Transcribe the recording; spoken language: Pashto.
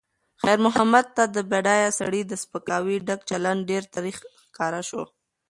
خیر محمد ته د بډایه سړي د سپکاوي ډک چلند ډېر تریخ ښکاره شو.